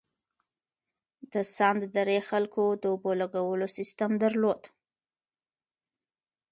د سند درې خلکو د اوبو لګولو سیستم درلود.